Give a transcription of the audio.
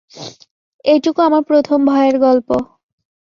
এইটুকু আমার প্রথম ভয়ের গল্প।